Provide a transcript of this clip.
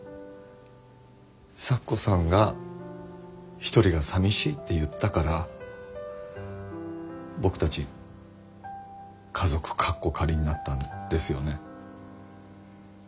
咲子さんが一人がさみしいって言ったから僕たち家族カッコ仮になったんですよね？